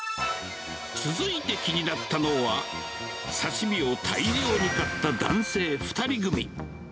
続いて気になったのは、刺身を大量に買った男性２人組。